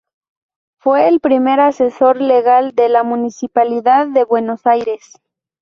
Fue el primer Asesor Legal de la Municipalidad de Buenos Aires.